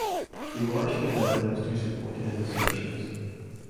He marshals evidence to support his assertions.